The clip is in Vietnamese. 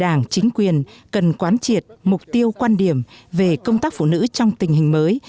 đảng chính quyền cần quán triệt mục tiêu quan điểm về công tác phụ nữ trong tình hình mới